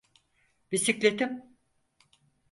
Bisikletim!